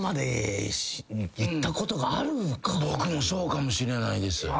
僕もそうかもしれないです。